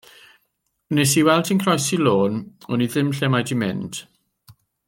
Wnes i weld hi'n croesi lôn, wn i ddim lle mai 'di mynd.